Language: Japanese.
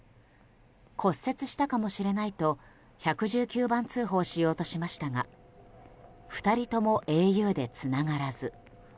骨折したかもしれないと１１９番通報しようとしましたが２人ともａｕでつながらず。